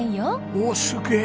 おおすげえ。